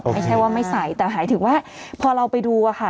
ไม่ใช่ว่าไม่ใส่แต่หมายถึงว่าพอเราไปดูอะค่ะ